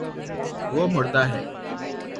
وہ مردا ہے